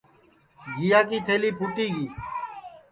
گھیا کی تھلی پُھوٹی گی